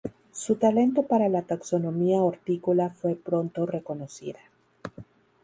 Su talento para la taxonomía hortícola fue pronto reconocida.